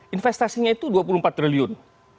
investasinya itu dua puluh empat triliun